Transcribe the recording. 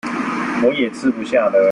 我也吃不下了